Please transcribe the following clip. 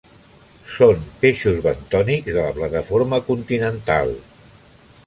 Són peixos bentònics de la plataforma continental.